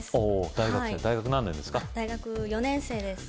大学４年生です